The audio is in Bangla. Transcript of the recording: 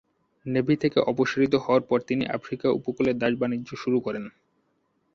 নেভি থেকে অপসারিত হওয়ার পর তিনি আফ্রিকা উপকূলে দাস বাণিজ্য শুরু করেন।